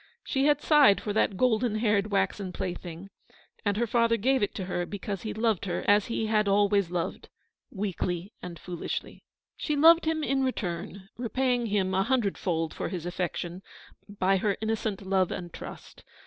She had sighed for that golden haired waxen plaything, and her father gave it to her because he loved her as he had always loved, weakly and foolishly. She loved him in return : repaying him a hun dredfold for his affection by her innocent love and trust.